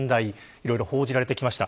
いろいろ報じられてきました。